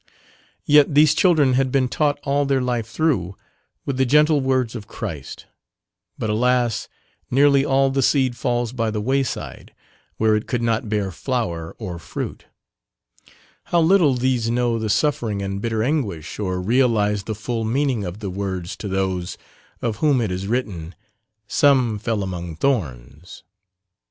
Yet these children had been taught all their life through with the gentle words of Christ but alas, nearly all the seed falls by the wayside, where it could not bear flower or fruit; how little these know the suffering and bitter anguish or realize the full meaning of the words to those, of whom it is written "Some fell among thorns."